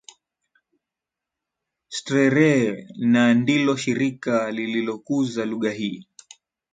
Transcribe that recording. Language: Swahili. Streere na ndilo Shirika lililokuza lugha hii